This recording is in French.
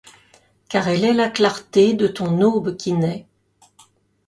Car elle est la clarté de ton aube qui naît.